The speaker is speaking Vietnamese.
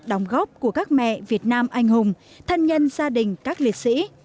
đóng góp của các mẹ việt nam anh hùng thân nhân gia đình các liệt sĩ